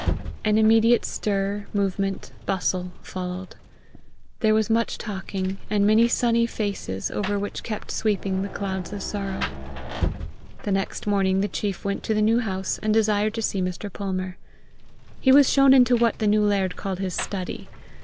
An immediate stir, movement, bustle, followed. There was much talking, and many sunny faces, over which kept sweeping the clouds of sorrow. The next morning the chief went to the New House, and desired to see Mr. Palmer. He was shown into what the new laird called his study.